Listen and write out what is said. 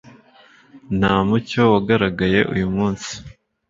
nta mucyo wagaragaye uyumunsi